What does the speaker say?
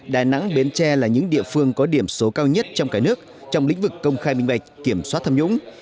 đà nẵng bến tre là những địa phương có điểm số cao nhất trong cả nước trong lĩnh vực công khai minh bạch kiểm soát thâm nhũng